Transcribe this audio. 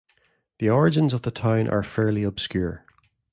The origins of the town are fairly obscure.